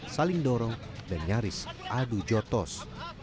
saling dorong dan nyaris adu jotos